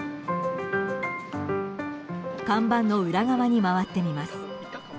看板の裏側に回ってみます。